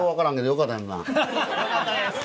よかったです。